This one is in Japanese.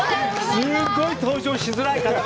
すっごい登場しづらい肩書！